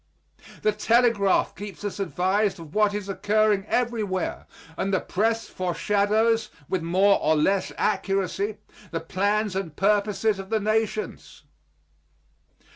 The telegraph keeps us advised of what is occurring everywhere, and the Press foreshadows, with more or less accuracy, the plans and purposes of the nations.